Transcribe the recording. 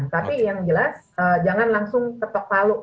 tapi yang jelas jangan langsung ketepaluh